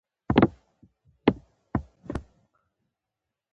د ونو د کنګل کیدو مخه څنګه ونیسم؟